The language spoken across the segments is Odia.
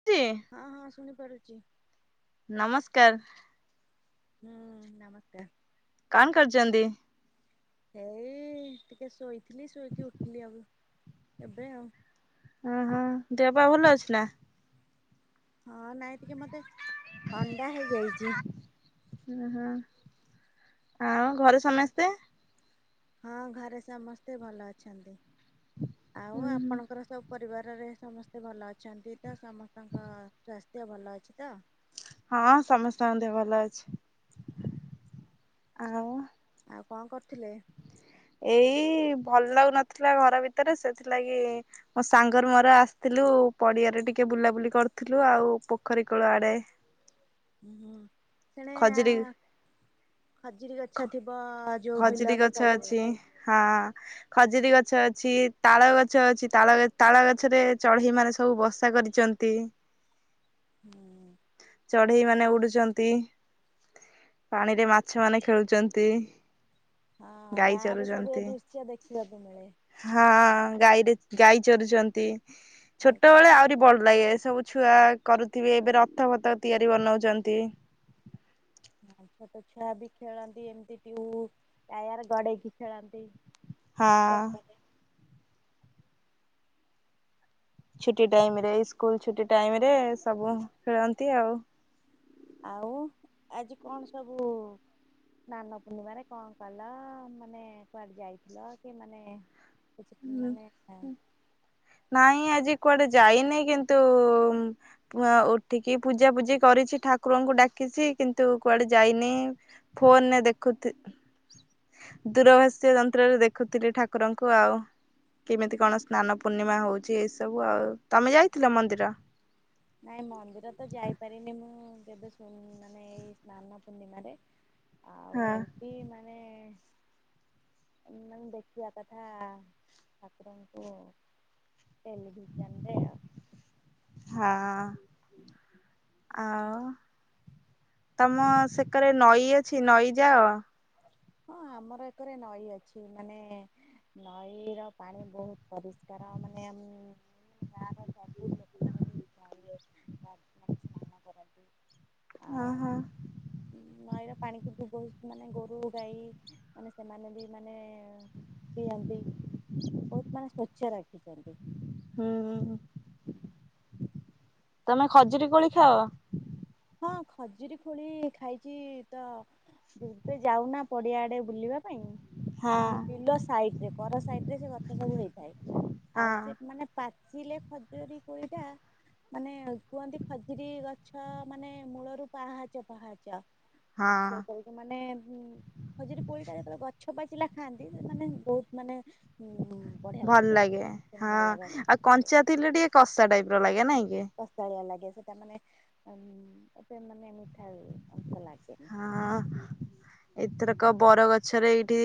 [unintelligible] ହଁ, ହଁ ଶୁଣିପାରୁଚି। ନମସ୍କାର। ହୁଁ ନମସ୍କାର। କଣ କରୁଚନ୍ତି? ଏଇ ଟିକେ ଶୋଇଥିଲି ଶୋଇକି ଉଠିଲି ଆଉ ଏବେ ଆଉ ଅ, ହଁ ଦେହ ପା ଭଲ ଅଛି ନା? ହଁ, ନାଇଁ ଟିକେ ମୋତେ ଥଣ୍ଡା ହେଇଯାଇଚି। ଅ ହଁ [unintelligible] ଆଉ ଘରେ ସମେସ୍ତେ? ହଁ ଘରେ ସମସ୍ତେ ଭଲ ଅଛନ୍ତି, ଆଉ ଉଁ ହୁଁ ଆପଣଙ୍କର ସବୁ ପରିବାରରେ ସମସ୍ତେ ଭଲ ଅଛନ୍ତି ତ ସମସ୍ତଙ୍କ ସ୍ୱାସ୍ଥ୍ୟ ଭଲ ଅଛି ତ ହଁ ସମସ୍ତଙ୍କ ଦେହ ଭଲ ଅଛି। [unintelligible] ଆଉ ଆଉ କଣ କରୁଥିଲେ? ଏଇ ଭଲ ଲାଗୁ ନଥିଲା ଘର ଭିତରେ ସେଥିଲାଗି ମୋ ସାଙ୍ଗର ମୋର ଆସିଥିଲୁ ପଡିଆରେ ଟିକେ ବୁଲାବୁଲି କରୁଥିଲୁ। ଆଉ ପୋଖରୀ କୂଳ ଆଡେ ହୁଁ ହୁଁ ସେଣେ ଖଜିରୀ ଖଜିରୀ ଗଛ ଥିବ। ଯୋଉ ବିଲ ଖଜିରୀ ଗଛ ସାଇଡରେ ଅଛି ହଁ। ଖଜିରୀ ଗଛ, ଅଛି ତାଳ ଗଛ, ଅଛି ତାଳ ତାଳ ଗଛରେ ଚଢେଇମାନେ ସବୁ ବସା କରି ଚନ୍ତି। ହୁଁ ଚଢେଇମାନେ ଉଡୁଚନ୍ତି, ପାଣିରେ ମାଛ ମାନେ ଖେଳୁଚନ୍ତି। ହଁ, ଗାଁରେ ସବୁ ଏ ଦୃଶ୍ୟ ଦେଖିବାକୁ ମିଳେ। ହଁ, ଗାଈରେ ଗାଈ ଚରୁଚନ୍ତି, ଏଇ ତ ଛୋଟବେଳେ ଆହୁରି ଭଲ ଲାଗେ ସବୁ ଛୁଆ କରୁଥିବେ, ଏବେ ରଥଫଥ ତିଆରି ବନଉଚନ୍ତି। ହଁ, ଛୋଟଛୁଆ ବି ଖେଳନ୍ତି ଏମିତି ଟିୟୁ ଟାୟାର ଗଡେଇକି ଖେଳନ୍ତି। ହଁ ଛୁଟି ଟାଇମ୍ ରେ ସ୍କୁଲ ଛୁଟି ଟାଇମ୍ ରେ ସବୁ ଖେଳନ୍ତି ଆଉ ଆଉ ଆଜି କଣ ସବୁ ସ୍ନାନ ପୂର୍ଣ୍ଣିମାରେ କଣ କଲ ମାନେ କୁଆଡେ ଯାଇଥିଲ କି ମାନେ କିଛି ମାନେ [unintelligible] ନାଇଁ ଆଜି କୁଆଡେ ଯାଇନି କିନ୍ତୁ [unintelligible] ଉଠିକି ପୂଜା ପୂଜି କରିଛି ଠାକୁରଙ୍କୁ ଡାକିଛି କିନ୍ତୁ କୁଆଡେ ଯାଇନି ଫୋନରେ ଦେଖୁଥି ଦୂରଭାଷ୍ୟ ଯନ୍ତ୍ରରେ ଦେଖୁଥିଲି ଠାକୁରଙ୍କୁ ଆଉ। କେମିତି କଣ ସ୍ନାନ ପୂର୍ଣ୍ଣିମା ହଉଛି ଏଇ ସବୁ ଆଉ ତମେ ଯାଇଥିଲ ମନ୍ଦିର? ନାଇଁ ମନ୍ଦିର ତ ଯାଇପାରିନି ମୁଁ କେବେ ମାନେ ଏଇ ସ୍ନାନ ପୂର୍ଣ୍ଣିମାରେ। ହ ଆଉ ଏମତି ମାନେ ମାନେ ଦେଖିବା କଥା ଠାକୁରଙ୍କୁ ଟେଲିଭିଜନରେ ଆଉ। ହଁ। ଆଉ ତମ ସେକରେ ନଈ ଅଛି ନଈ ଯାଅ। ହଁ ଆମର ଏକରେ ନଈ ଅଛି ମାନେ ନଈ ର ପାଣି ବହୁତ ପରିଷ୍କାର ମାନେ ଗାଁର ସବୁ ଲୋକମାନେ ବି ପାଣିରେ ମାନେ ସ୍ନାନ କରନ୍ତି। ହଁ ଆଉ ହଁ। ନଈର ପାଣିକୁ [unintelligible] ମାନେ ଗୋରୁ ଗାଈ ମାନେ ସେମାନେ ବି ମାନେ ପିଅନ୍ତି। ବହୁତ ମାନେ ସ୍ଵଚ୍ଛ ରଖିଛନ୍ତି। ହୁଁ ହୁଁ ହୁଁ। ତମେ ଖଜୁରୀ କୋଳି ଖାଅ? ହଁ ଖଜୁରୀ ଖୋଳି ଖାଇଚି, ତ କେବେ ଯାଉନା ପଡିଆ ଆଡେ ବୁଲିବା ପାଇଁ। ହଁ ମାନେ ବିଲ ସାଇଡରେ ପର ସାଇଡ ରେ ସେ ଗଛ ସବୁ ହେଇଥାଏ ହଁ ଆଉ ସେ ମାନେ ପା ଚିଲେ ଖଜୁରୀ କୋଳିଟା ମାନେ କୁହନ୍ତି ଖଜୁରୀ ଗଛ ମାନେ ମୂଳରୁ ପାହାଚ ପାହାଚ ହଁ ଆଉ ସେ କରିକି ମାନେ ଖଜୁରୀ କୋଳିଟା ଯେତେବେଳେ ଗଛ ପାଚିଲା ଖାଆନ୍ତି ସେ ମାନେ ବହୁତ ମାନେ ଉଁ ଭଲ ଲାଗେ ହଁ ସୁନ୍ଦର ଲାଗେ ଆଉ ଭଲ କଞ୍ଚା ଥିଲେ ଟିକେ କଷା ଟାଇପ ର ଲାଗେ ନାଇଁ କି? କଶାଳୀଆ ଲାଗେ ସେଟା ମାନେ ଏମ୍ ଏତେ ମାନେ ମିଠା ଅଂଶ ଲାଗେନି। ହଁ ଏଥରକ ବରଗଛରେ ଏଇଠି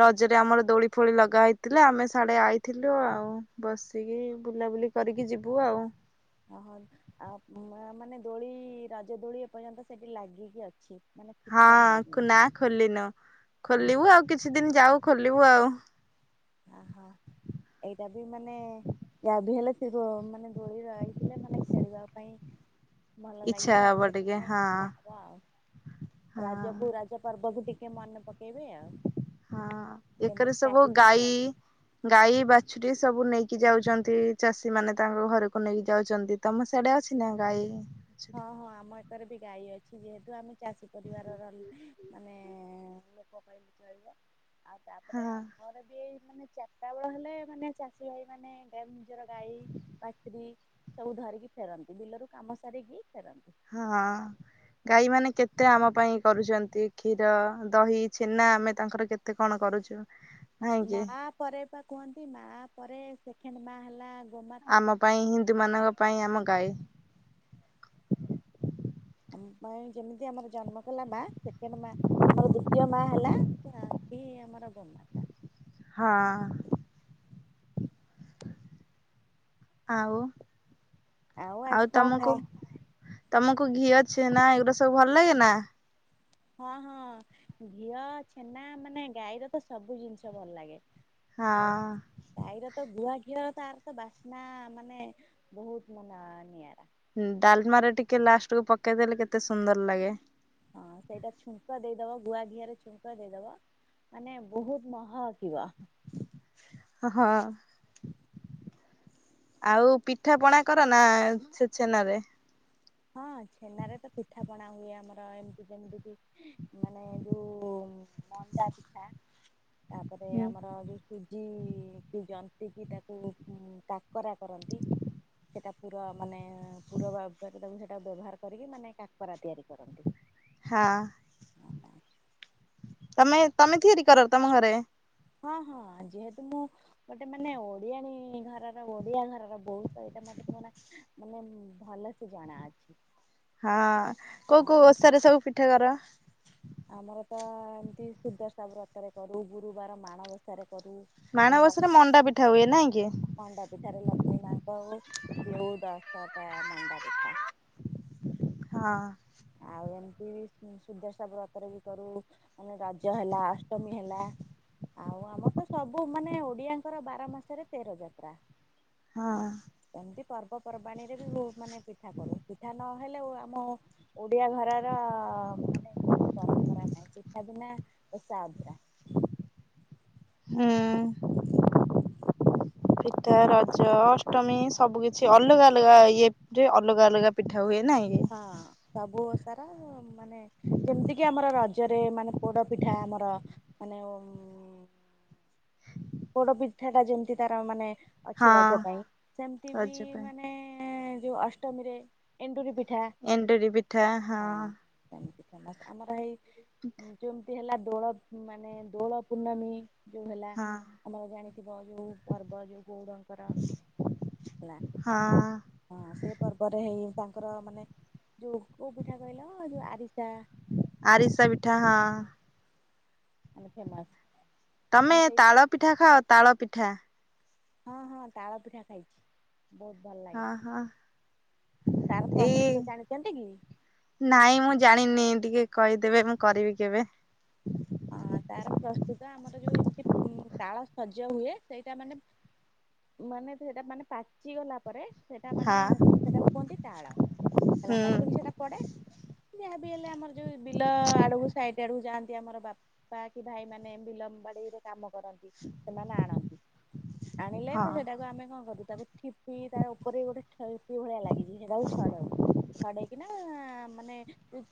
ରଜରେ ଆମର ଦୋଳି ଫୋଳି ଲଗା ହେଇଥିଲା, ଆମେ ସାଡେ ଆଇଥିଲୁ ଆଉ। ବସିକି ବୁଲାବୁଲି କରିକି ଯିବୁ ଆଉ। ଅହ ଆଉ ମାନେ ଦୋଳି ରଜ ଦୋଳି ଏପର୍ଯ୍ୟନ୍ତ ସେଠି ଲାଗିକି ଅଛି। ମାନେ ହଁ ଫିଟା ହେଇନି। ଖୋ ନା ଖୋଲିନୋଉ, ଓହୋ ଖୋଲିବୁ ଆଉ କିଛି ଦିନ ଯାଉ ଖୋଲିବୁ ଆଉ। ଅ ହ ଏଇଟା ବି ମାନେ ଯାହା ବି ହେଲେ ସେ ଦୋ ମାନେ ଦୋଳି ରହିଥିଲେ ମାନେ ଖେଳିବା ପାଇଁ ଭଲ ଇଚ୍ଛା ଲାଗିବ ଆଉ, ହବ ଟିକେ ସେଥିପାଇଁ ହଁ ଇଛା ହବ ଆଉ ହଁ ରଜକୁୁ ର ଜ ପର୍ବକୁ ଟିିକେ ମନେ ପକେଇବେ ଆଉ। ହଁ ଏକରେ କେମିତି ସବୁ କାଟିଥିଲେ ଗାଈ ଆଉ ଗାଈ ବାଛୁରୀ ସବୁ ନେଇକି ଯାଉଛନ୍ତି, ଚାଷୀ ମାନେ ତାଙ୍କ ଘରକୁ ନେଇକି ଯାଉଛନ୍ତି। ତମ ସିଆଡ଼େ ଅଛି ନା ଗାଈ। ହଁ ହଁ ଆମ ଏକରେ ବି ଗାଈ ଅଛି। ଯେହେତୁ ଆମେ ଚାଷୀ ପରିବାରର ମାନେ ଲୋକ କହିଲେ ଚଳିବ, ଆଉ ତାପରେ ହଁ ଆ ମର ବି ଏଇ ମାନେ ଚାରିଟା ବେଳ ହେଲେ, ମାନେ ଚାଷୀ ଭାଇ ମାନେ ଗା ନିଜର ଗାଈ ବାଛୁରୀ ସବୁ ଧରିକି ଫେରନ୍ତି, ବିଲରୁ କାମ ସାରିକି ଫେରନ୍ତି। ହଁ। ଗାଈ ମାନେ କେତେ ଆମ ପାଇଁ କରୁଛନ୍ତି, କ୍ଷୀର, ଦହି, ଛେନା ଆମେ ତାଙ୍କର କେତେ କଣ କରୁଛୁ। ତ ମା ପରେ ପା କୁହନ୍ତି ମା ପରେ ସେଖେଣ୍ଡ ମା ହେଲା ଗୋମାତା ଆମ ପାଇଁ ହିନ୍ଦୁ ମାନଙ୍କ ପାଇଁ ଆମ ଗାଈ। ଆମ ପାଇଁ ଯେମିତି ଆମର ଜନ୍ମ କଲା ମା, ସେକେଣ୍ଡ ମା ଆମର ଦୁତୀୟ ମା ହେଲା। ସାଥୀ ଆମର ଗୋମାତା। ହଁ। ଆଉ ଆଉ ଆଜି କଣ ଖା ତମୁକୁ ତମୁକୁ ଘିଅ, ଛେନା ଏଗୁରା ସବୁ ଭଲ ଲାଗେ ନା? ହଁ ହଁ ଘିଅ ଛେନା ମାନେ ଗାଈର ତ ସବୁ ଜିନ୍ଷ ଭଲ ଲାଗେ। ଆଉ। ହଁ ଗାଈ ର ତ ଗୁଆ ଘିଅ ତାର ତ ବାସ୍ନା ମାନେ ବୋହୁତ୍ ମନା ନଆଁରା। ଡାଲ୍ମା ର ଟିକେ ଲାଷ୍ଟକୁୁ ପକେଇଦେଲେ କେତେ ସୁନ୍ଦର ଲାଗେ। ହଁ ସେଇଟା ଛୁଙ୍କ ଦେଇଦବ ଗୁଆ ଘିଆ ରେ ଛୁଙ୍କ ଦେଇଦବ। ମାନେ ବୋହୁତ୍ ମହକିବ। ଅ ହଁ। ଆଉ ପିଠା ପଣା କର ନା ସେ ଛେନା ରେ? ହଁ ଛେନାରେ ତ ପିଠାପଣା ହୁଏ ଆମର, ଏମିତି ଯେମିତିକି ମାନେ ଯୋଉ ମଣ୍ଡା ପିଠା ତାପରେ ଆମର ଯୋଉ ସୁ ଉଁ -ସିଏ ଯନ୍ତି କି ତାକୁ ଉଁ କାକରା କରନ୍ତି। ସେଟା ପୁରା ମାନେ ପୁର ବା ବା ସେଟାକୁ ସେଇଟା ବ୍ୟବହାର କରିକି ମାନେ କାକରା ତିଆରି କରନ୍ତି। ହଁ। ତମେ ତମେ ତିଆରି କର ତମ ଘରେ? ହଁ ହଁ ଯେହେତୁ ମୁଁ ଗୋଟେ ମାନେ ଓଡିଆଣୀ ଘରର ଓଡିଆ ଘରର ବୋଉ। ତ ଏଇଟା ମତେ ହ୍ନୁଅନା ମାନେ ଭଲ ସେ ଜଣା ଅଛି। ହଁ କୋଉ ହଁ କୋଉ ଓଷା ରେ ସବୁ ପିଠା କର? ଆମର ତ ଏମ୍ତି ସୁଦର୍ଶା ବ୍ରତରେ କରୁ, ଗୁରୁବାର ମାଣବସାରେ କରୁ। ଆମର ମାଣବସାରେ ମଣ୍ଡା ପିଠା ହୁଏ ନାଇଁ କି? ମଣ୍ଡା ପିଠାରେ ଲକ୍ଷ୍ମୀ ମାଙ୍କ ଆଉ ଦେଉ ଦଶଟା ମଣ୍ଡା ପିଠା। ହଁ। ଆଉ ଏମ୍ତି ସୁ ସୁଦର୍ଶା ବ୍ରତରେ ବି କରୁ। ମାନେ ରଜ ହେଲା ଅଷ୍ଟମୀ ହେଲା। ଆଉ ଆମର ତ ସବୁ ମାନେ ଓଡିଆଙ୍କର ବାର ମାସରେ ତେର ଯାତ୍ରା। ହଁ। ହୁଁ ଏମ୍ତି ପର୍ବପର୍ବାଣିୀରେ ବି ଉ ମାନେ ପିଠା କରୁ, ପିଠା ନହେଲେ ଆମ ଓଡିଆ ଘରର ମାନେ କିଛି ପରମ୍ପରା ନାହିଁ, ପିଠା ବିନା ଓଷା ଅଧୁରା। ହୁଁ। ପିଠା, ରଜ, ଅଷ୍ଟମୀ ସବୁ କିଛି ଅଲଗା ଅଲଗା ଇଏ। ରେ ଅଲଗା ଅଲଗା ପିଠା ହୁଏ ନାଇଁକି? ହଁ ସବୁ ଓଷାରା ମା ମାନେ ଯେମ୍ତିକି ଆମର ରଜରେ ମାନେ ପୋଡ ପିଠା ଆମର ମାନେ ଓମ୍ ପୋଡ଼ପିଠା ଟା ଯେମ୍ତି ତାର ମାନେ ଅଛି ହଁ ରଜ ପାଇଁ ସେମ୍ତି ବି ରଜ ପାଇଁ ମାନେ ଯୋଉ ଅଷ୍ଟମୀରେ। ଏଣ୍ଡୁରି ପିଠା ଏଣ୍ଡୁରି ପିଠା ହଁ। ହଁ। ସେମ୍ତି ଫେମସ୍, ଆମର ହେଇ ଯେଉମ୍ତି ହେଲା ଦୋଳ ମାନେ ଦୋଳ ପୂର୍ଣ୍ଣମୀ ଯୋଉ ହେଲା। ହଁ। ଆମର ଜାଣିଥିବ ଯୋଉ ପର୍ବ ଯୋଉ ଗଉଡଙ୍କର ହେଲା। ହଁ ହଁ ସେ ପର୍ବରେ ହେଇ ତାଙ୍କର ମାନେ ଯୋଉ କୋଉ ପିଠା କହିଲ ଯୋଉ ଆରିସା। ଆରିସା ପିଠା ହଁ। ମାନେ ଫେମସ୍। ତମେ ମାନେ ସେଇ ତାଳ ପିଠା ଖାଅ ତାଳ ପିଠା? ହଁ ହଁ ତାଳ ପିଠା ଖାଇଛି ବହୁତ ଭଲ ଲାଗେ। ହଁ ହଁ ତାର ଏଇ ପ୍ରସ୍ତୁତ ଜାଣିଛନ୍ତି କି? ନାଇଁ ମୁଁ ଜାଣିନି ଟିକେ କହିଦେବେ ମୁଁ କରିବି କେବେ? ହଁ ତାର ପ୍ରସ୍ତୁତ ଆମର ଯୋଉ ଏମିତି ଉଁ ତାଳ ଶଜ ହୁଏ ସେଇଟା ମାନେ ମାନେ ସେଇଟା ମାନେ ପାଚି ଗଲା ପରେ ସେଟା ମାନେ ହଁ ସେଟାକୁ କୁହନ୍ତି ତାଳ ହେଲା ହୁଁ ପାଚିକି ସେଟା ପଡେ। ଯାହା ବି ହେଲେ ଆମର ଯୋଉ ବିଲ ଆଡକୁ ସାଇଟ୍ ଆଡକୁ ଯାଆନ୍ତି ଆମର ବା ପା କି ଭାଇ ମାନ ବିଲ ବାଡିରେ କାମ କରନ୍ତି ସେମାନେ ଆଣନ୍ତି। ଆଣିଲେ ହଁ ତ ସେଟାକୁ ଆମେ କଣ କରୁ ତାକୁ ଠି ପି ତାର ଉପରେ ବି ଗୋଟେ ଠେପି ଭଳିଆ ଲାଗିଥାଏ ସେଇଟାକୁ ଛଡଉ। ଛଡେଇକି ନା ମାନେ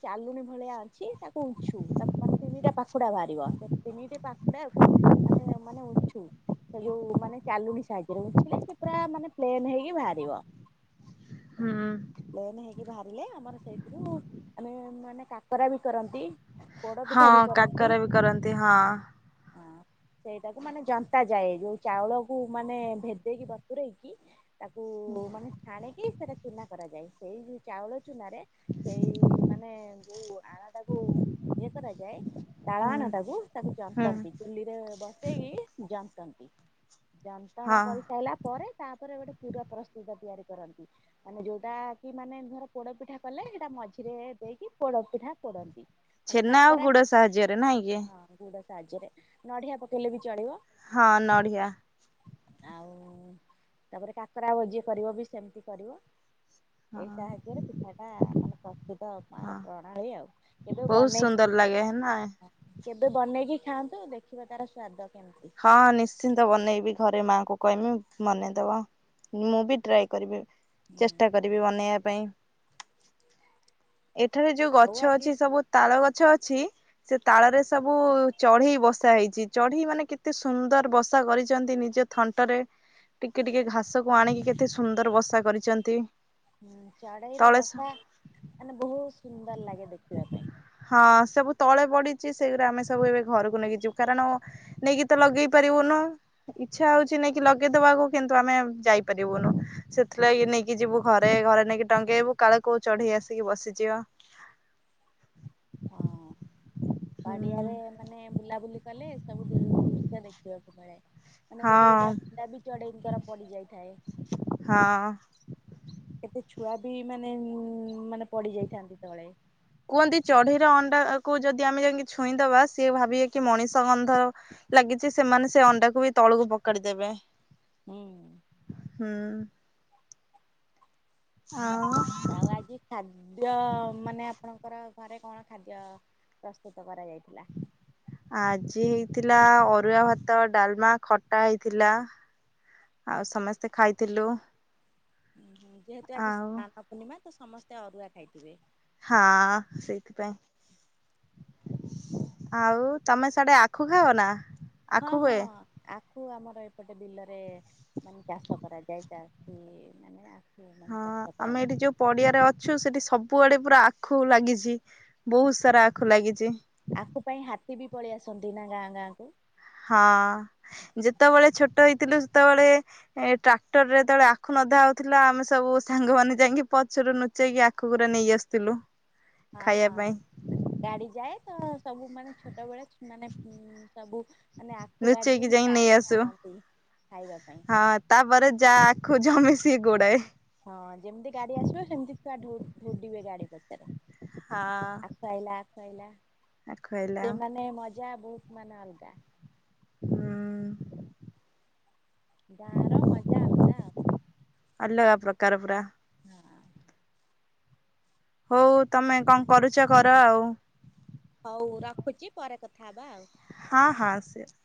ଚାଲୁଣୀ ଭଳିଆ ଅଛି ତାକୁ ଉଛୁ ତାକୁ ମାନେ ତିନିଟା ପା ଖୁଡା ବାହାରିବ ସେ ତିନିଟି ପାଖୁଡାକୁ ଆମେ ମାନେ ଉଛୁ ସେ ଯୋଉ ମାନେ ଚାଲୁଣି ସାହାଯ୍ୟରେ ଊଛିଲେ ସେ ପୁରା ମାନେ ପ୍ଲେନ୍ ହେଇକି ବାହାରିବ। ହୁଁ। ପ୍ଲେନ୍ ହେଇକି ବାହାରିଲେ ଆମର ସେଇଥିରୁ ମାନେ ମାନେ କାକରା ବି କରନ୍ତି। ପୋଡ ପିଠା ବି ହଁ କରନ୍ତି। କାକରା ବି କରନ୍ତି ହଁ। ହଁ ସେଇଟାକୁ ମାନେ ଜନ୍ତା ଯାଏ ଯୋଉ ଚାଉଳକୁ ମାନେ ଭେଦେଇକି ବତୁରେଇକି ତାକୁ ମାନେ ଛାଣିକି ସେଟା ଚୁନା କରାଯାଏ, ସେଇ ଜୋଉ ଚାଉଳ ଚୁନାରେ ସେଇ ମାନେ ଯୋଉ ଆଣଟାକୁ ଇଏ କରାଯାଏ। ତାଳ ହୁଁ ଆଣଟାକୁ ତାକୁ ହୁଁ ଜନ୍ତନ୍ତି ଚୁଲିରେ ବସେଇକି ଜନ୍ତନ୍ତି। ଯନ୍ତଣା ହଁ କରିସାରିଲା ପରେ ତାପରେ ଗୋଟେ ପୁର ପ୍ରସ୍ତୁତ ତିଆରି କରନ୍ତି। ମାନେ ଯୋଉଟା କି ମାନେ ଧର ପୋଡପିଠା କଲେ ହେଟା ମଝିରେ ଦେଇକି ପୋଡପିଠା ପୋଡନ୍ତି। ନହେଲେ ଛେନା ଆଉ କାକରା ଗୁଡ ସାହାଯ୍ୟରେ ନାଇଁକି? ହଁ ଗୁଡ଼ ସାହାଯ୍ୟରେ ନଡିଆ ପକେଇଲେ ବି ଚଳିବ। ହଁ ନଡ଼ିଆ। ଆଉ ତାପରେ କାକରା ଭୋଜି କରିବ ବି ସେମିତି କରିବ। ଏଇ ହଁ ସାହାଯ୍ୟରେ ପିଠାଟା ମାନେ ପ୍ରସ୍ତୁତ ମାର ହଁ ପ୍ରଣାଳୀ ଆଉ, କେବେ ବନେଇକି [inaudible] କେବେ ବନେଇକି ଖାଆନ୍ତୁ ଦେଖିବ ତାର ସ୍ଵାଦ କେମିତି। ହଁ ନିଶ୍ଚିନ୍ତ ବନେଇବି ଘରେ ମାଙ୍କୁ କହିବି ବନେଇଦବ। ମୁଁ ବି ଟ୍ରାଏ କରିବି ହୁଁ ଚେଷ୍ଟା କରିବି ବନେଇବା ପାଇଁ। ଏଠାରେ ଯୋଉ ଆଉ ଗଛ ଆଜି ଅଛି ସବୁ ତାଳ ଗଛ ଅଛି। ସେ ତାଳରେ ସବୁ ଚଢେଇ ବସା ହେଇଛି ଚଢେଇ ମାନେ କେତେ ସୁନ୍ଦର ବସା କରିଛନ୍ତି ନିଜ ଥଣ୍ଟରେ ଟିକେ ଟିକେ ଘାସକୁ ଆଣିକି କେତେ ସୁନ୍ଦର ବସା କରିଛନ୍ତି? ହୁଁ ଚଢେଇର ତଳେ ବସା ମାନେ ବହୁତ ସୁନ୍ଦର ଲାଗେ ଦେଖିବା ପାଇଁ। ହଁ ସବୁ ତଳେ ପଡିଛି ସେଇଗୁରା ଆମେ ସବୁ ଏବେ ଘରକୁ ନେଇକି ଯିବୁ କାରଣ ନେଇକି ତ ଲଗେଇ ପାରିବୁନୁ? ଇଚ୍ଛା ହଉଛି ନେଇକି ଲଗେଇଦବାକୁ କିନ୍ତୁ ଆମେ ଯାଇପାରିବୁନୁ? ସେଥିଲାଗି ନେଇକି ଯିବୁ ଘରେ ଘରେ ନେଇକି ଟଙ୍ଗେଇବୁ କାଳେ କୋଉ ଚଢେଇ ଆସିକି ବସିଯିବ। ହଁ, ହୁଁ ପାଡିଆରେ ମାନେ ବୁଲା ବୁଲି କଲେ, ସବୁ ଦୃଶ୍ୟ ଦେଖିବାକୁ ମିଳେ, ମାନେ ଗୋଟେ ହଁ ଗୋଟେ ଣ୍ଡା ବି ଚଢେଇଙ୍କର ପଡିଯାଇଥାଏ। ହଁ। କେତେ ଛୁଆ ବି ମାନେ ଉଁ ମାନେ ପଡି ଯାଇଥାନ୍ତି ତଳେ। କୁହନ୍ତି ଚଢ଼େଇର ଅଣ୍ଡା କୁ ଯଦି ଆମେ ଯାଇକି ଛୁଇଁଦବା, ସିଏ ଭାବିବେ କି ମଣିଷ ଗନ୍ଧ ଲାଗିଚି, ସେମାନେ ସେ ଅଣ୍ଡାକୁ ବି ତଳକୁ ପୋକାଡି ଦେବେ। ଉଁ। ହୁଁ। ଆଉ? ଆଉ ଆଜି ଖାଦ୍ୟ ମାନେ ଆପଣଙ୍କର ଘରେ କଣ ଖାଦ୍ୟ ପ୍ରସ୍ତୁତ୍ କରାଯାଇଥିଲା? ଆଜି ହେଇଥିଲା ଅରୁଆ ଭାତ, ଡାଲ୍, ମା ଖଟା ହେଇଥିଲା। ଆଉ ସମସ୍ତେ ଖାଇଥିଲୁ। ଯେହେତୁ ଆଜି ଆଉ ସ୍ନାନ ପୂର୍ଣ୍ଣିମା, ତ ସମସ୍ତେ ଅରୁଆ ଖାଇଥିବେ। ହଁ, ସେଇଥିପାଇଁ। ଆଉ ତମେ ସିଆଡେ ଆଖୁ ଖାଅ ନା? ହଁ ଆଖୁ ହଁ। ହୁଏ ଆଖୁ ଆମର ଏପଟେ ବିଲରେ ମାନେ ଚାଷ କରାଯାଏ, ଚାଷୀ ମାନେ ଆଖ୍ ହଁ, ଆମେ ଏଇଠି ଯୋଉ ପଡିଆରେ ଅଛୁ, ସେଠି ସବୁଆଡେ ପୁରା ଆଖୁ ଲାଗିଚି, ବହୁତ୍ ସାରା ଆଖୁ ଲାଗିଚି। ଆଖୁ ପାଇଁ ହାତୀ ବି ପଳେଇ ଆସନ୍ତି ନା, ଗାଁ ଗାଁକୁ? ହଁ, ଯେତେବେଳେ ଛୋଟ ହେଇଥିଲୁ, ସେତେବେଳେ ଏ ଟ୍ରାକ୍ଟର୍ ରେ ଯେତେବେଳେ ଆଖୁ ନଧା ହଉଥିଲା, ଆମେ ସବୁ ସାଙ୍ଗମାନେନ ଯାଇଁକି ପଛରୁ ନୁଚେଇକି ଆଖୁଗୁରା ନେଇ ଆସୁୁ। ଥିଲୁ। ହଁ ହଁ, ଗାଡି ଯାଏ ତ ସବୁ ମେଳେ ଛୋଟବେେଳେ ସୁନା ନାକ୍ ଉଁ ସବୁ ମାନେ ଆଖୁ ଲୁଚେଇକି କାଡିରୁ ହିଁ ଯାଇ ନେଇ ଟାଣି କି ଆସୁ। ଆଣନ୍ତି, ଖାଇବା ପାଇଁ। ହଁ ତାପରେ ଯାଆ ଆଖୁ ଜୋ ମିସିକି ଗୋଡାଏ। ହଁ ଯେମିତି ଗାଡି ଆସିବ, ସେମିତି ଛୁଆ ଧୌ ଧୌଡ଼ିବେ ଗାଡି ପଛରେ। ହଁ। ଆକୁ ଆଇଲା, ଆଖୁ ଆଇଲା, ଆଖୁ ହେଲା। ସିଏ ମାନେ ମଜା ବହୁତ୍ ମାନେ ଅଲଗା। ହୁଁ। ଗାଁର ମଜା ଆଲଗା ଆଉ। ଅଲଗା ପ୍ରକାର ପୁରା। ହଁ। ହଉ ତମେ କଣ କରୁଚ କର ଆଉ। ହଉ ରଖୁଚି, ପରେ କଥା ହବା ଆଉ। ହଁ ହଁ ସିୟର୍।